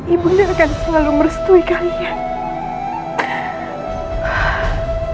ibu nde akan selalu merestui kalian